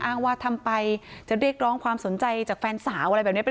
อ้างว่าทำไปจะเรียกร้องความสนใจจากแฟนสาวอะไรแบบนี้